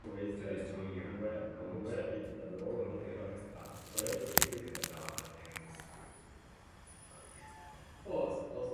The destroyer launched torpedoes at the crippled "Zara" and scored at least one hit.